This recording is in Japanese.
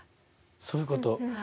そういうこと。